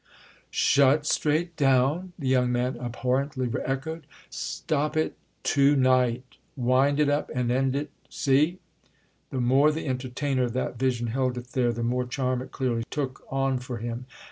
"'Shut straight down'?" the young man abhorrently echoed. "Stop it to night—wind it up and end it: see?" The more the entertainer of that vision held it there the more charm it clearly took on for him.